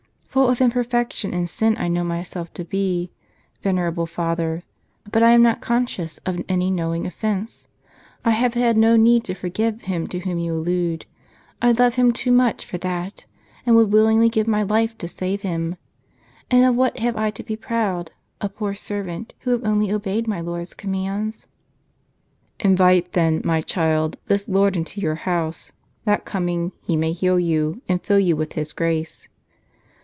"." Full of imperfection and sin I know myself to be, vener able father ; but I am not conscious of any knowing offence. I have had no need to forgive him to whom you allude ; I love him too much for that, and would willingly give my life to save him. And of what have I to be proud, a poor servant, who have only obeyed my Lord's commands? " "Invite then, my child, this Lord into your house, that coming He may heal you, and fill you with His grace."